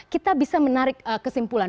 kita bisa menarik kesimpulan